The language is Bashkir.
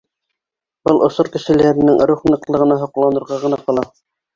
Был осор кешеләренең рух ныҡлығына һоҡланырға ғына ҡала.